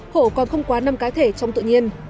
hổ còn không quá năm cái thể trong tự nhiên